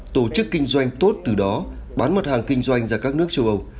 tổ chức kinh doanh tốt từ đó bán mặt hàng kinh doanh ra các nước châu âu